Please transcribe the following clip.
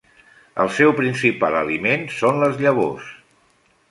El seu principal aliment són les llavors.